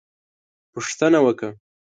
_پوښتنه وکه!